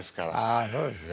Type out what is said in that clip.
あそうですね。